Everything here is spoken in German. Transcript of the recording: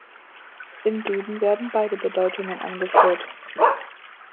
Im Duden werden beide Bedeutungen angeführt.